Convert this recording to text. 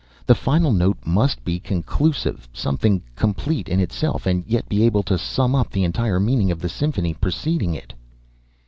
"The final note must be conclusive, something complete in itself and yet be able to sum up the entire meaning of the symphony preceding it."